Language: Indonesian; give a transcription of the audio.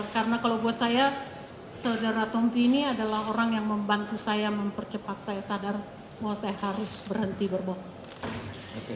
karena kalau buat saya saudara tompi ini adalah orang yang membantu saya mempercepat saya sadar bahwa saya harus berhenti berbohong